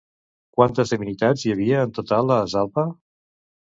Quantes divinitats hi havia en total a Zalpa?